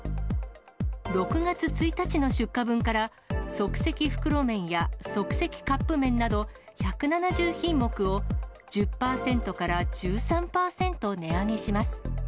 ６月１日の出荷分から、即席袋麺や即席カップ麺など、１７０品目を１０％から１３％値上げします。